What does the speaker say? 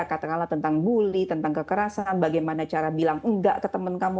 katakanlah tentang bully tentang kekerasan bagaimana cara bilang enggak ke temen kamu